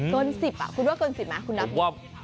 เกิน๑๐คุณว่าเกิน๑๐ไหมคุณนับ